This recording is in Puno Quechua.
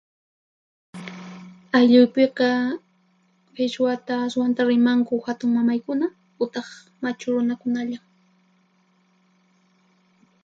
Aylluypiqa qhichwata ashwanta rimanku hatunmamaykuna utaq machu runakunallan.